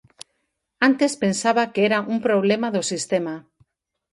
Antes pensaba que era un problema do sistema.